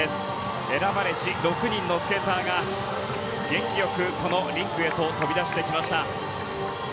選ばれし６人のスケーターが元気良くリンクへと飛び出しました。